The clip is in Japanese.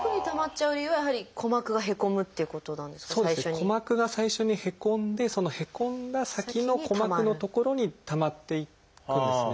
鼓膜が最初にへこんでそのへこんだ先の鼓膜の所にたまっていくんですね。